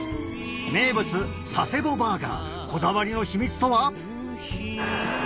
名物・佐世保バーガーこだわりの秘密とは？